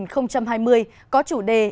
asean việt nam hai nghìn hai mươi có chủ đề